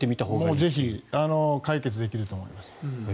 ぜひ。解決できると思います。